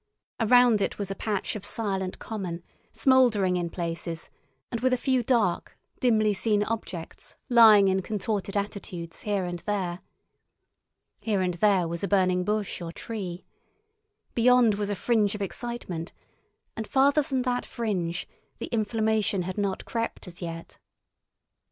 Around it was a patch of silent common, smouldering in places, and with a few dark, dimly seen objects lying in contorted attitudes here and there. Here and there was a burning bush or tree. Beyond was a fringe of excitement, and farther than that fringe the inflammation had not crept as yet.